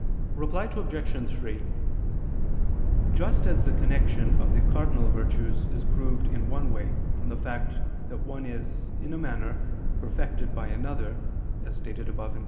Reply Obj. 3: Just as the connection of the cardinal virtues is proved in one way from the fact that one is, in a manner, perfected by another, as stated above (Q.